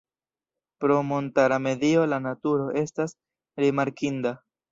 Pro montara medio la naturo estas rimarkinda.